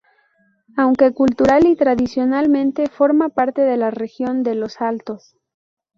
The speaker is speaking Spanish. Aunque cultural y tradicionalmente forma parte de la región de los Altos.